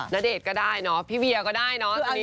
นาเดชน์ก็ได้พี่เบียก็ได้